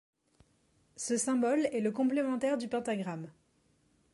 Ce symbole est le complémentaire du pentagramme.